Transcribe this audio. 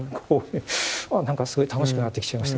何かすごい楽しくなってきちゃいました。